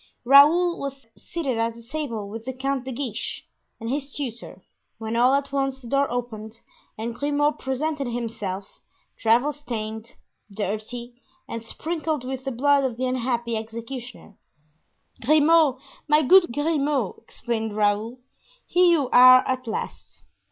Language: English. Raoul was seated at table with the Count de Guiche and his tutor, when all at once the door opened and Grimaud presented himself, travel stained, dirty, and sprinkled with the blood of the unhappy executioner. "Grimaud, my good Grimaud!" exclaimed Raoul "here you are at last!